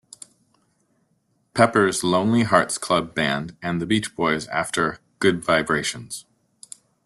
Pepper's Lonely Hearts Club Band", and the Beach Boys after "Good Vibrations".